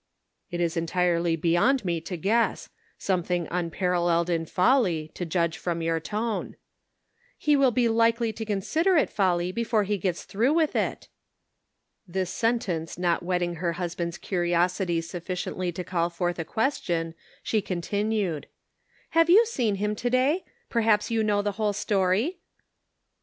"" It is entirely beyond me to guess ; some thing unparalleled in folly, to judge from your tone." " He will be likely to consider it folly before he gets through with it." This sentence not whetting her husband's curiosity sufficiently to call forth a question, she continued :" Have you seen him to day ? Perhaps you know the whole story